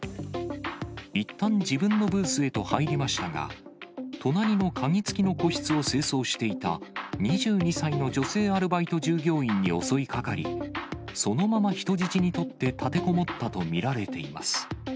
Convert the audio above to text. いったん自分のブースへと入りましたが、隣の鍵付きの個室を清掃していた２２歳の女性アルバイト従業員に襲いかかり、そのまま人質に取って立てこもったと見られています。